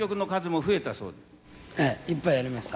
ええ、いっぱいやりました。